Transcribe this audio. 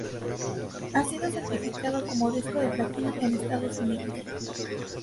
Ha sido certificado como disco de platino en Estados Unidos.